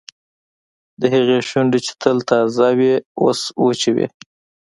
د هغې شونډې چې تل تازه وې اوس وچې وې